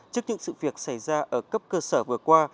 trước những sự việc xảy ra ở cấp cơ sở vừa qua